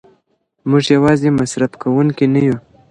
موږ یوازې مصرف کوونکي نه یو.